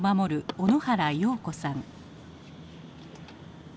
小野原陽子さん。